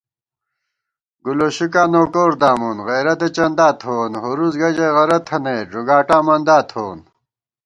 گُولوشِکاں نوکور دامون غیرَتہ چندا تھووون * ھوُرُوس گہ ژَئی غَرہ تھنَئیت ݫُگاٹا مندا تھووون